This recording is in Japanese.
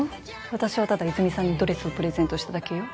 私はただ泉さんにドレスをプレゼントしただけよ。